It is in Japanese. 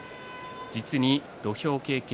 実に土俵経験